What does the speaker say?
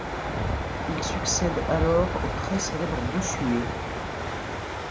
Il succède alors au très célèbre Bossuet.